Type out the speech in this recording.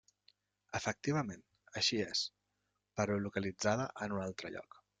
Efectivament així és, però localitzada en un altre lloc.